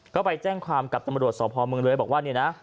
ก็ไปแจ้งความกับตำรวจสพเมืองเลยบอกว่าเนี่ยนะ